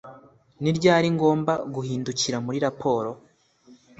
Ni ryari ngomba guhindukira muri raporo